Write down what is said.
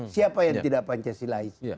siapa yang tidak pancasilais